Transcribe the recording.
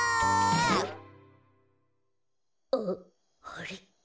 あっあれ？